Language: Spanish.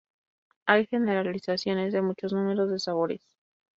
Hay generalizaciones de muchos números de sabores.